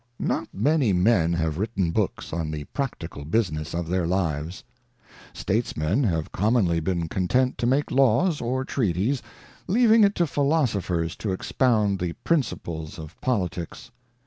Not many men have written books on the practical business of their lives. Statesmen have commonly been content to make laws, or treaties, leaving it to philosophers to expound the principles of politics.